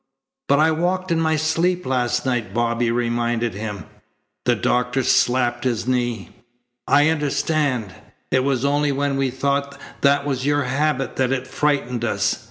"But I walked in my sleep last night," Bobby reminded him. The doctor slapped his knee. "I understand. It was only when we thought that was your habit that it frightened us.